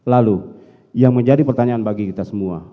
lalu yang menjadi pertanyaan bagi kita semua